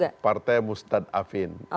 kalau kita ini partai mustad afin